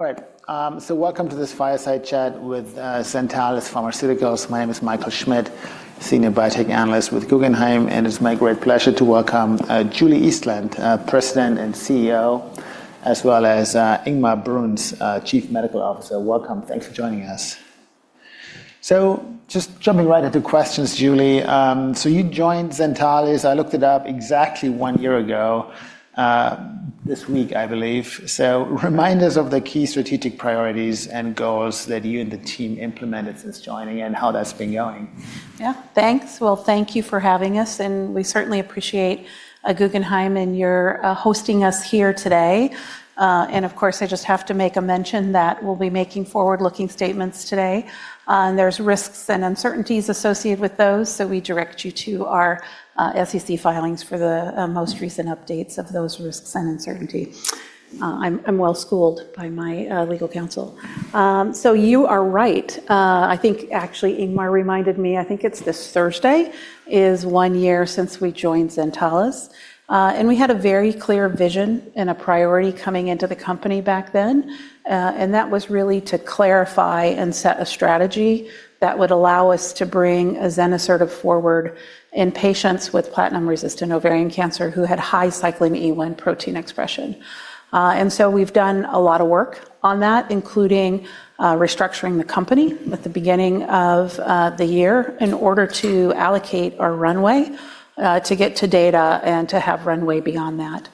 All right. Welcome to this fireside chat with Zentalis Pharmaceuticals. My name is Michael Schmidt, Senior Biotech Analyst with Guggenheim. It's my great pleasure to welcome Julie Eastland, President and CEO, as well as Ingmar Bruns, Chief Medical Officer. Welcome. Thanks for joining us. Just jumping right into questions, Julie. You joined Zentalis. I looked it up exactly one year ago this week, I believe. Remind us of the key strategic priorities and goals that you and the team implemented since joining and how that's been going. Yeah, thanks. Thank you for having us. We certainly appreciate Guggenheim and your hosting us here today. Of course, I just have to make a mention that we'll be making forward-looking statements today. There are risks and uncertainties associated with those, so we direct you to our SEC filings for the most recent updates of those risks and uncertainty. I'm well schooled by my legal counsel. You are right. I think, actually, Ingmar reminded me, I think it's this Thursday, is one year since we joined Zentalis. We had a very clear vision and a priority coming into the company back then. That was really to clarify and set a strategy that would allow us to bring azenosertib forward in patients with platinum-resistant ovarian cancer who had high cycling E1 protein expression. We have done a lot of work on that, including restructuring the company at the beginning of the year in order to allocate our runway to get to data and to have runway beyond that.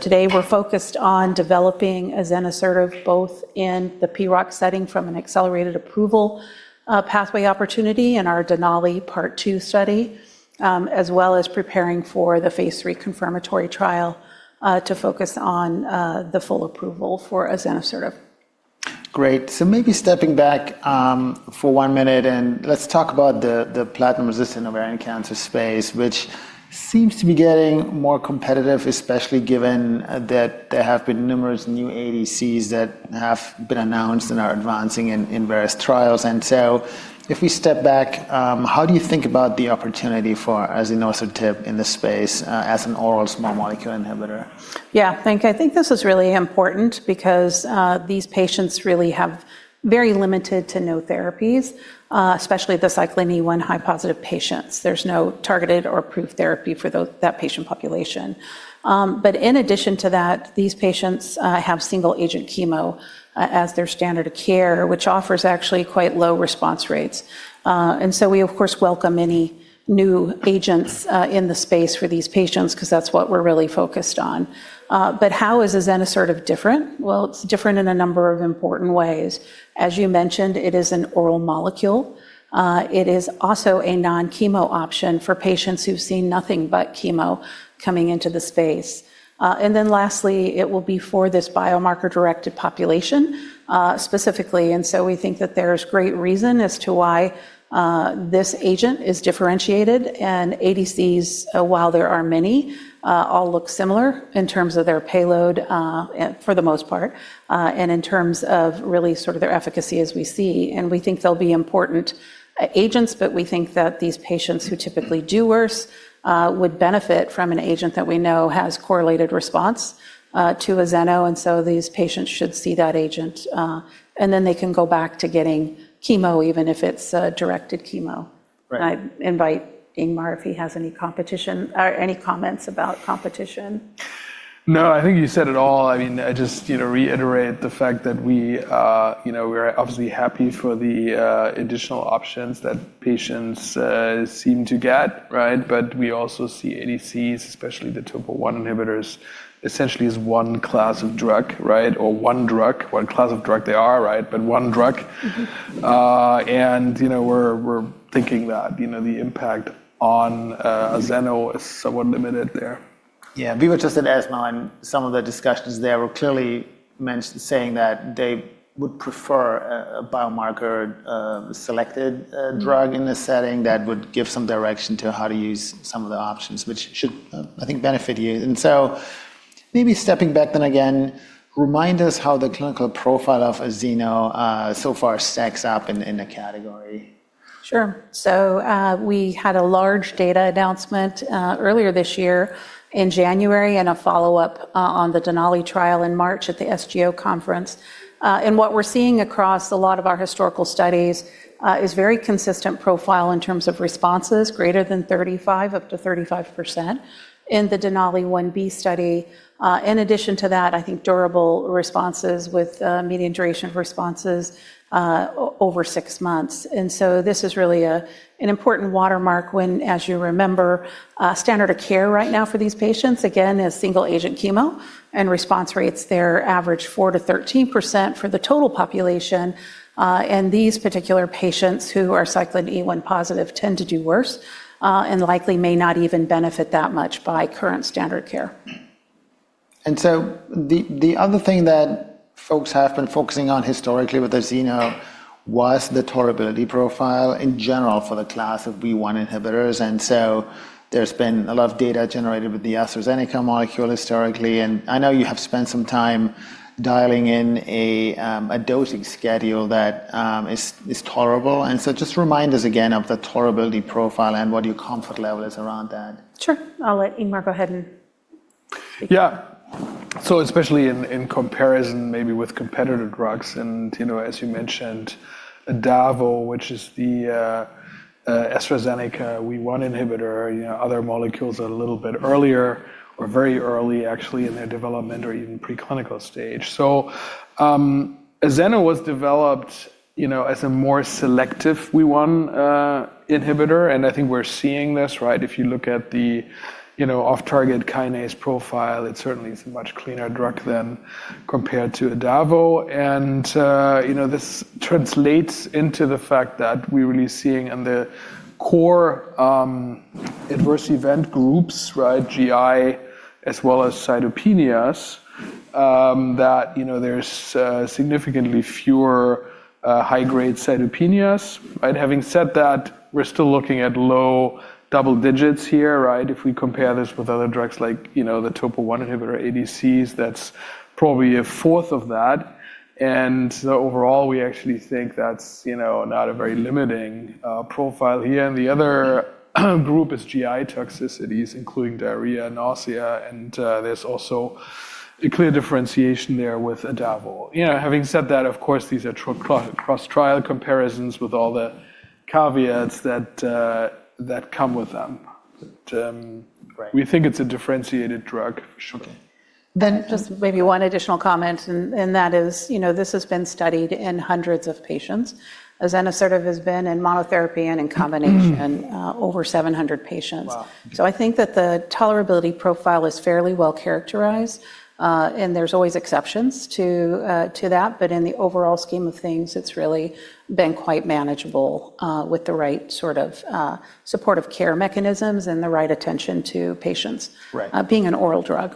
Today, we are focused on developing azenosertib both in the PROC setting from an accelerated approval pathway opportunity in our DENALI Part 2 study, as well as preparing for the phase III confirmatory trial to focus on the full approval for azenosertib. Great. Maybe stepping back for one minute, let's talk about the platinum-resistant ovarian cancer space, which seems to be getting more competitive, especially given that there have been numerous new ADCs that have been announced and are advancing in various trials. If we step back, how do you think about the opportunity for azenosertib in the space as an oral small molecule inhibitor? Yeah, I think this is really important because these patients really have very limited to no therapies, especially the cycling E1 high-positive patients. There's no targeted or approved therapy for that patient population. In addition to that, these patients have single-agent chemo as their standard of care, which offers actually quite low response rates. We, of course, welcome any new agents in the space for these patients because that's what we're really focused on. How is azenosertib different? It is different in a number of important ways. As you mentioned, it is an oral molecule. It is also a non-chemo option for patients who've seen nothing but chemo coming into the space. Lastly, it will be for this biomarker-directed population specifically. We think that there's great reason as to why this agent is differentiated. ADCs, while there are many, all look similar in terms of their payload for the most part, and in terms of really sort of their efficacy as we see. We think they'll be important agents, but we think that these patients who typically do worse would benefit from an agent that we know has correlated response to azenosertib. These patients should see that agent. Then they can go back to getting chemo, even if it's directed chemo. I invite Ingmar if he has any competition or any comments about competition. No, I think you said it all. I mean, I just reiterate the fact that we are obviously happy for the additional options that patients seem to get, right? I also see ADCs, especially the TOP1 inhibitors, essentially as one class of drug, right? Or one drug, one class of drug they are, right? One drug. I am thinking that the impact on azenosertib is somewhat limited there. Yeah, we were just at ASML, and some of the discussions there were clearly saying that they would prefer a biomarker-selected drug in a setting that would give some direction to how to use some of the options, which should, I think, benefit you. Maybe stepping back then again, remind us how the clinical profile of azeno so far stacks up in the category. Sure. We had a large data announcement earlier this year in January and a follow-up on the DENALI trial in March at the SGO conference. What we're seeing across a lot of our historical studies is a very consistent profile in terms of responses, greater than 35%, up to 35%, in the DENALI I-B study. In addition to that, I think durable responses with median duration of responses over six months. This is really an important watermark when, as you remember, standard of care right now for these patients, again, is single-agent chemo. Response rates, they average 4%-13% for the total population. These particular patients who are cycling E1 positive tend to do worse and likely may not even benefit that much by current standard of care. The other thing that folks have been focusing on historically with the azeno was the tolerability profile in general for the class of WEE1 inhibitors. There has been a lot of data generated with the AstraZeneca molecule historically. I know you have spent some time dialing in a dosing schedule that is tolerable. Just remind us again of the tolerability profile and what your comfort level is around that. Sure. I'll let Ingmar go ahead and. Yeah. Especially in comparison maybe with competitor drugs. As you mentioned, adavo, which is the AstraZeneca WEE1 inhibitor, other molecules are a little bit earlier or very early actually in their development or even preclinical stage. Azeno was developed as a more selective WEE1 inhibitor. I think we're seeing this, right? If you look at the off-target kinase profile, it certainly is a much cleaner drug than compared to adavo. This translates into the fact that we're really seeing in the core adverse event groups, GI as well as cytopenias, that there's significantly fewer high-grade cytopenias. Having said that, we're still looking at low double digits here, right? If we compare this with other drugs like the TOP1 inhibitor ADCs, that's probably a fourth of that. Overall, we actually think that's not a very limiting profile here. The other group is GI toxicities, including diarrhea, nausea. There is also a clear differentiation there with adavo. Having said that, of course, these are cross-trial comparisons with all the caveats that come with them. We think it is a differentiated drug for sure. Maybe one additional comment. That is this has been studied in hundreds of patients. Azenosertib has been in monotherapy and in combination over 700 patients. I think that the tolerability profile is fairly well characterized. There are always exceptions to that. In the overall scheme of things, it's really been quite manageable with the right sort of supportive care mechanisms and the right attention to patients being an oral drug,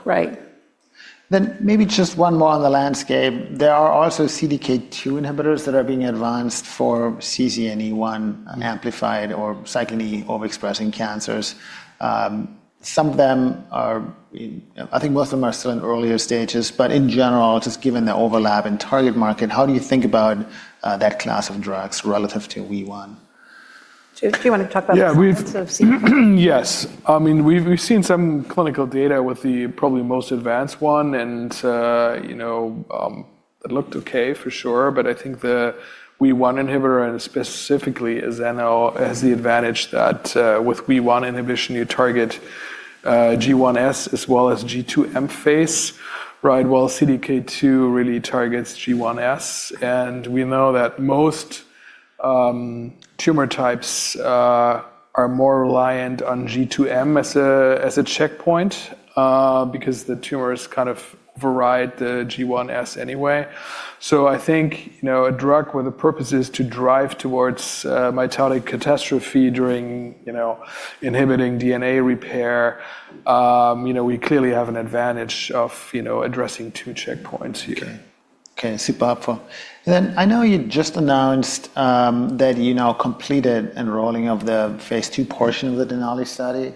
right? Maybe just one more on the landscape. There are also CDK2 inhibitors that are being advanced for cycling E1 amplified or cycling E1 overexpressing cancers. Some of them are, I think most of them are still in earlier stages. In general, just given the overlap in target market, how do you think about that class of drugs relative to WEE1? Do you want to talk about the difference of? Yes. I mean, we've seen some clinical data with the probably most advanced one. And it looked okay for sure. But I think the WEE1 inhibitor and specifically azenosertib has the advantage that with WEE1 inhibition, you target G1S as well as G2M phase, right? While CDK2 really targets G1S. And we know that most tumor types are more reliant on G2M as a checkpoint because the tumors kind of override the G1S anyway. I think a drug with the purposes to drive towards mitotic catastrophe during inhibiting DNA repair, we clearly have an advantage of addressing two checkpoints here. Okay. Okay. Super helpful. I know you just announced that you now completed enrolling of the phase II portion of the DENALI study.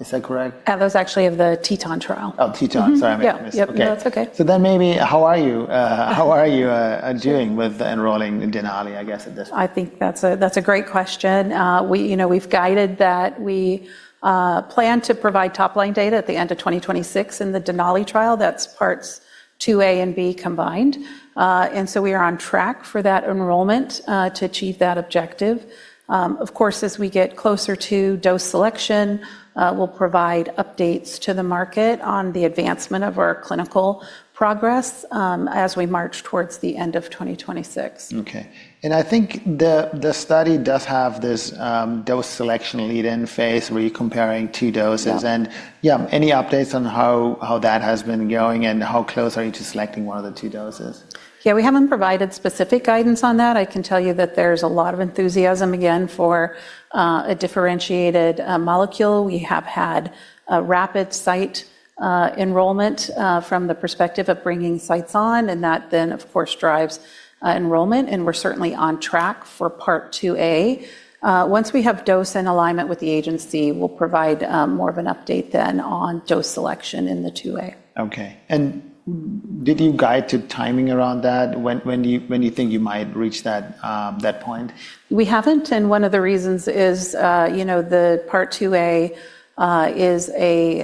Is that correct? That was actually of the TETON trial. Oh, TETON. Sorry, I missed it. Yeah, that's okay. Maybe how are you doing with enrolling DENALI, I guess, at this point? I think that's a great question. We've guided that we plan to provide top-line data at the end of 2026 in the DENALI trial. That's parts 2A and B combined. We are on track for that enrollment to achieve that objective. Of course, as we get closer to dose selection, we'll provide updates to the market on the advancement of our clinical progress as we march towards the end of 2026. Okay. I think the study does have this dose selection lead-in phase where you're comparing two doses. Yeah, any updates on how that has been going and how close are you to selecting one of the two doses? Yeah, we haven't provided specific guidance on that. I can tell you that there's a lot of enthusiasm, again, for a differentiated molecule. We have had a rapid site enrollment from the perspective of bringing sites on. That then, of course, drives enrollment. We're certainly on track for Part 2A. Once we have dose and alignment with the agency, we'll provide more of an update then on dose selection in the 2A. Okay. Did you guide to timing around that? When do you think you might reach that point? We haven't. One of the reasons is the part 2A is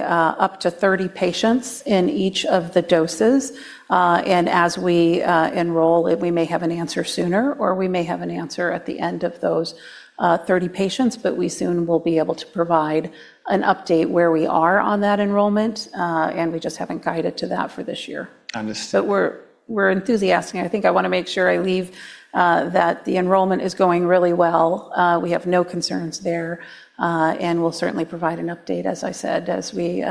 up to 30 patients in each of the doses. As we enroll, we may have an answer sooner, or we may have an answer at the end of those 30 patients. We soon will be able to provide an update where we are on that enrollment. We just haven't guided to that for this year. Understood. We're enthusiastic. I think I want to make sure I leave that the enrollment is going really well. We have no concerns there. We'll certainly provide an update, as I said, as we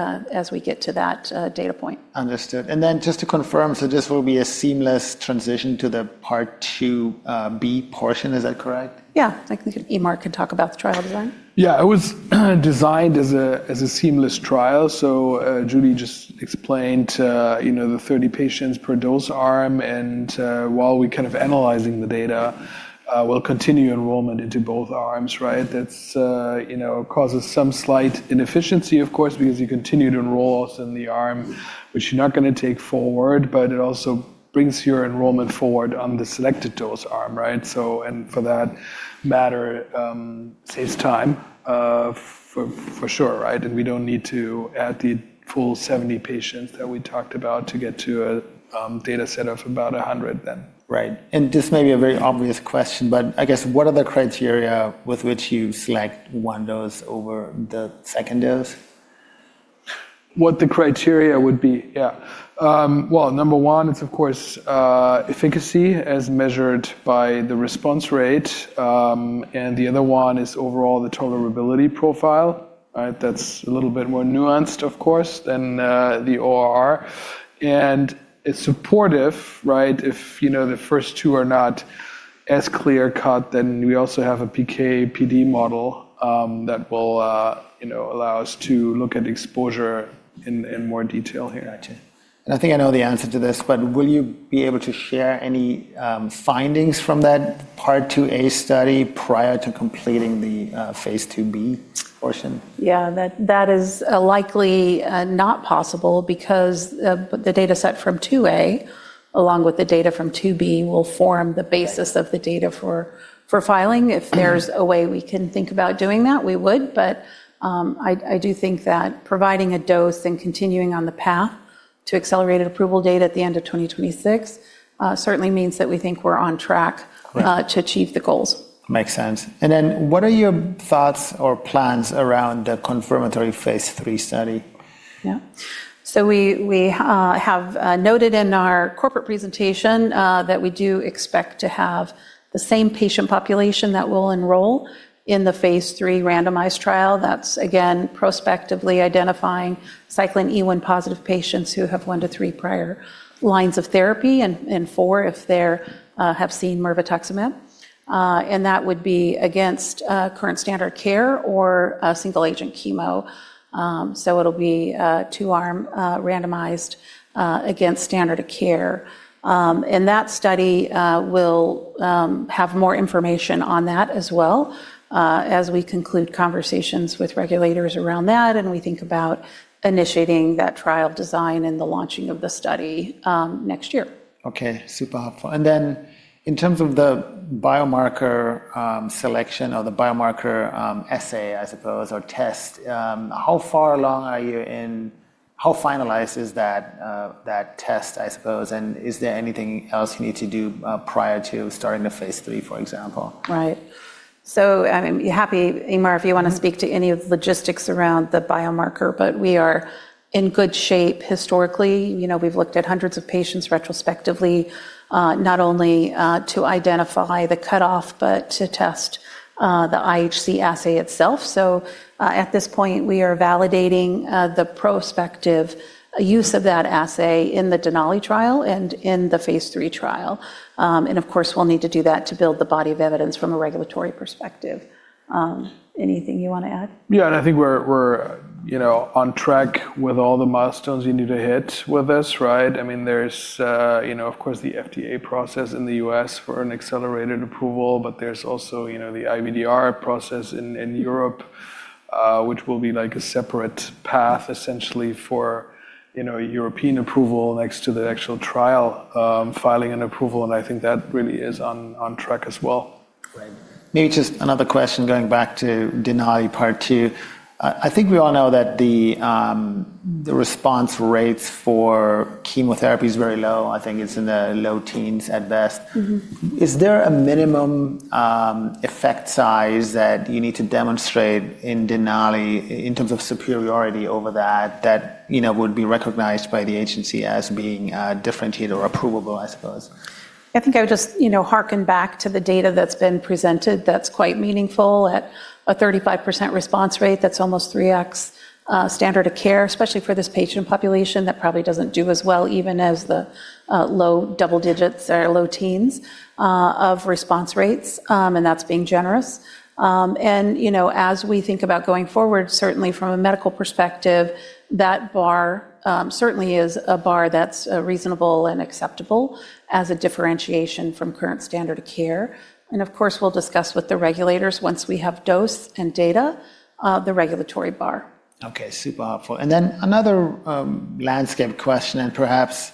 get to that data point. Understood. And then just to confirm, so this will be a seamless transition to the Part 2B portion. Is that correct? Yeah. I think Ingmar can talk about the trial design. Yeah. It was designed as a seamless trial. Julie just explained the 30 patients per dose arm. While we're kind of analyzing the data, we'll continue enrollment into both arms, right? That causes some slight inefficiency, of course, because you continue to enroll also in the arm which you're not going to take forward. It also brings your enrollment forward on the selected dose arm, right? For that matter, saves time for sure, right? We don't need to add the full 70 patients that we talked about to get to a data set of about 100 then. Right. This may be a very obvious question, but I guess what are the criteria with which you select one dose over the second dose? What the criteria would be, yeah. Number one, it's, of course, efficacy as measured by the response rate. The other one is overall the tolerability profile, right? That's a little bit more nuanced, of course, than the ORR. It's supportive, right? If the first two are not as clear-cut, then we also have a PK/PD model that will allow us to look at exposure in more detail here. Gotcha. I think I know the answer to this, but will you be able to share any findings from that Part 2A study prior to completing the phase II-B portion? Yeah, that is likely not possible because the data set from 2A, along with the data from 2B, will form the basis of the data for filing. If there's a way we can think about doing that, we would. I do think that providing a dose and continuing on the path to accelerated approval data at the end of 2026 certainly means that we think we're on track to achieve the goals. Makes sense. What are your thoughts or plans around the confirmatory phase III study? Yeah. We have noted in our corporate presentation that we do expect to have the same patient population that will enroll in the phase III randomized trial. That's, again, prospectively identifying cycling E1 positive patients who have one to three prior lines of therapy and four if they have seen mirvetuximab. That would be against current standard of care or single-agent chemo. It will be two-arm randomized against standard of care. That study will have more information on that as well as we conclude conversations with regulators around that. We think about initiating that trial design and the launching of the study next year. Okay. Super helpful. In terms of the biomarker selection or the biomarker assay, I suppose, or test, how far along are you in how finalized is that test, I suppose? Is there anything else you need to do prior to starting the phase III, for example? Right. I'm happy, Ingmar, if you want to speak to any of the logistics around the biomarker. We are in good shape historically. We've looked at hundreds of patients retrospectively, not only to identify the cutoff, but to test the IHC assay itself. At this point, we are validating the prospective use of that assay in the DENALI trial and in the phase III trial. Of course, we'll need to do that to build the body of evidence from a regulatory perspective. Anything you want to add? Yeah. I think we're on track with all the milestones we need to hit with this, right? I mean, there's, of course, the FDA process in the U.S. for an accelerated approval. There's also the IVDR process in Europe, which will be like a separate path, essentially, for European approval next to the actual trial filing and approval. I think that really is on track as well. Right. Maybe just another question going back to DENALI Part 2. I think we all know that the response rates for chemotherapy is very low. I think it's in the low teens at best. Is there a minimum effect size that you need to demonstrate in DENALI in terms of superiority over that that would be recognized by the agency as being differentiated or approvable, I suppose? I think I would just hearken back to the data that's been presented that's quite meaningful at a 35% response rate. That's almost 3x standard of care, especially for this patient population that probably doesn't do as well even as the low double digits or low teens of response rates. That's being generous. As we think about going forward, certainly from a medical perspective, that bar certainly is a bar that's reasonable and acceptable as a differentiation from current standard of care. Of course, we'll discuss with the regulators once we have dose and data, the regulatory bar. Okay. Super helpful. Another landscape question and perhaps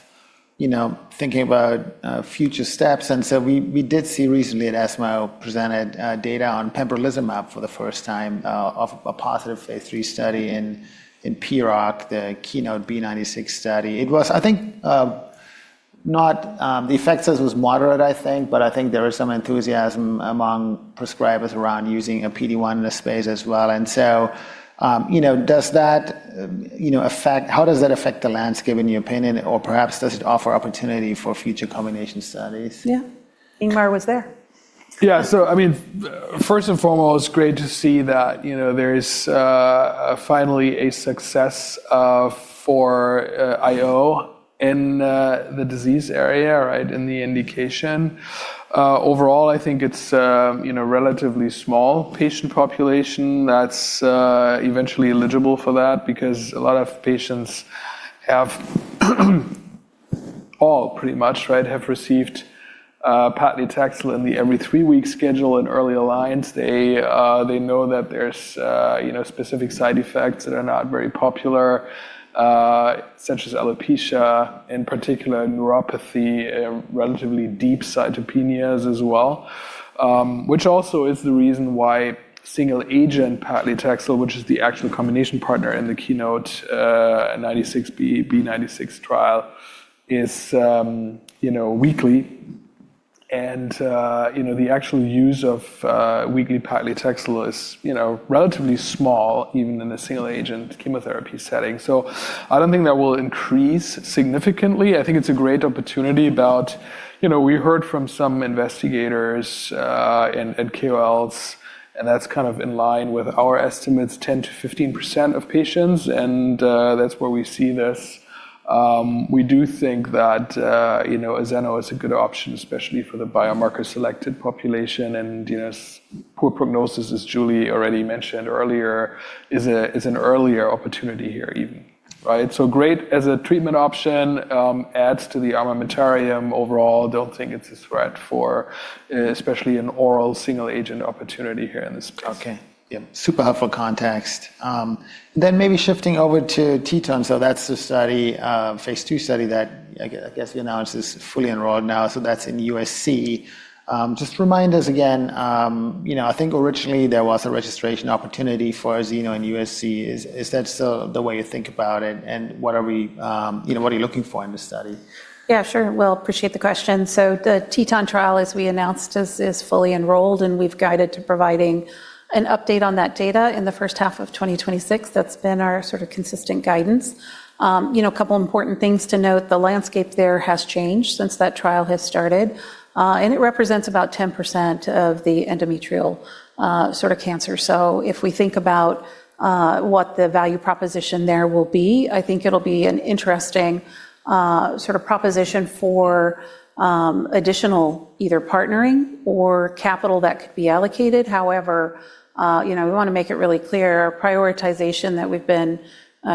thinking about future steps. We did see recently at ESMO presented data on pembrolizumab for the first time of a positive phase III study in PROC, the KEYNOTE-B96 study. It was, I think, not the effect size was moderate, I think. I think there was some enthusiasm among prescribers around using a PD-1 in this phase as well. Does that affect, how does that affect the landscape in your opinion? Perhaps does it offer opportunity for future combination studies? Yeah. Ingmar was there. Yeah. I mean, first and foremost, great to see that there is finally a success for IO in the disease area, right, in the indication. Overall, I think it's a relatively small patient population that's eventually eligible for that because a lot of patients have all pretty much, right, have received paclitaxel in the every three-week schedule in early lines. They know that there's specific side effects that are not very popular, such as alopecia, in particular neuropathy, relatively deep cytopenias as well, which also is the reason why single-agent paclitaxel, which is the actual combination partner in the KEYNOTE-B96, B96 trial, is weekly. The actual use of weekly paclitaxel is relatively small, even in the single-agent chemotherapy setting. I don't think that will increase significantly. I think it's a great opportunity about we heard from some investigators at KOLs, and that's kind of in line with our estimates, 10%-15% of patients. That's where we see this. We do think that azeno is a good option, especially for the biomarker-selected population. Poor prognosis, as Julie already mentioned earlier, is an earlier opportunity here even, right? Great as a treatment option, adds to the armamentarium overall. Don't think it's a threat for especially an oral single-agent opportunity here in this space. Okay. Yeah. Super helpful context. Maybe shifting over to TETON. That is the study, phase II study that I guess the analysis is fully enrolled now. That is in USC. Just remind us again, I think originally there was a registration opportunity for azeno in USC. Is that still the way you think about it? What are you looking for in the study? Yeah, sure. I appreciate the question. The TETON trial, as we announced, is fully enrolled. We have guided to providing an update on that data in the first half of 2026. That has been our sort of consistent guidance. A couple of important things to note. The landscape there has changed since that trial started. It represents about 10% of the endometrial sort of cancer. If we think about what the value proposition there will be, I think it will be an interesting sort of proposition for additional either partnering or capital that could be allocated. However, we want to make it really clear. Our prioritization that we have been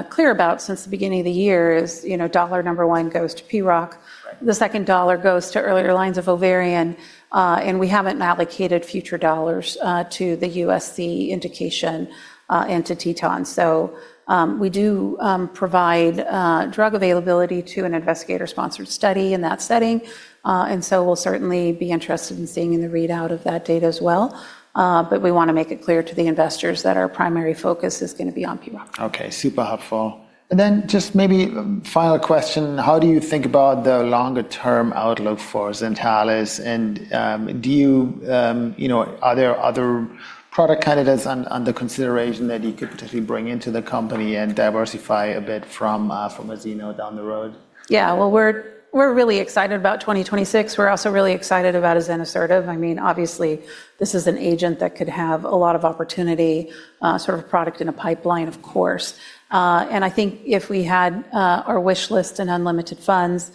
clear about since the beginning of the year is dollar number one goes to PROC. The second dollar goes to earlier lines of ovarian. We have not allocated future dollars to the USC indication into TETON. We do provide drug availability to an investigator-sponsored study in that setting. We will certainly be interested in seeing the readout of that data as well. We want to make it clear to the investors that our primary focus is going to be on PROC. Okay. Super helpful. Maybe final question. How do you think about the longer-term outlook for Zentalis? Are there other product candidates under consideration that you could potentially bring into the company and diversify a bit from azenosertib down the road? Yeah. We are really excited about 2026. We are also really excited about azenosertib. I mean, obviously, this is an agent that could have a lot of opportunity, sort of a product in a pipeline, of course. I think if we had our wish list and unlimited funds,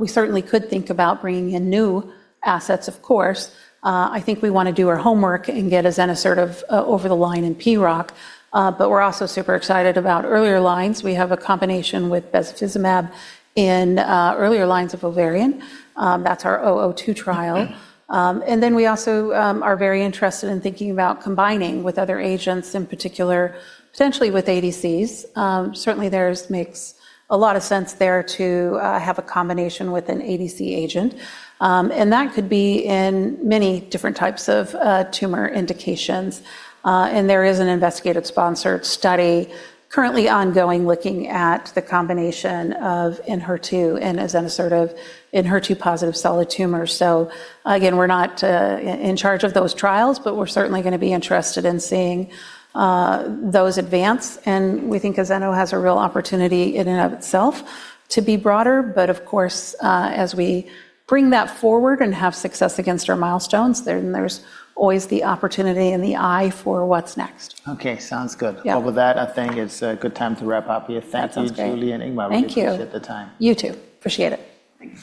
we certainly could think about bringing in new assets, of course. I think we want to do our homework and get azenosertib over the line in PROC. We are also super excited about earlier lines. We have a combination with bevacizumab in earlier lines of ovarian. That is our 002 trial. We also are very interested in thinking about combining with other agents, in particular, potentially with ADCs. Certainly, there makes a lot of sense there to have a combination with an ADC agent. That could be in many different types of tumor indications. There is an investigator-sponsored study currently ongoing looking at the combination of in HER2 and azenosertib in HER2 positive solid tumor. We are not in charge of those trials, but we are certainly going to be interested in seeing those advance. We think azeno has a real opportunity in and of itself to be broader. Of course, as we bring that forward and have success against our milestones, there is always the opportunity and the eye for what is next. Okay. Sounds good. With that, I think it's a good time to wrap up here. Thank you, Julie and Ingmar, we appreciate the time. Thank you. You too. Appreciate it.